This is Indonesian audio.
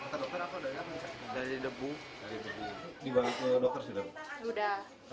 kata dokter apa